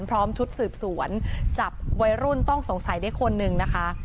พร้อมชุดสืบสวนจับวัยรุ่นต้องสงสัยได้คนหนึ่งนะคะ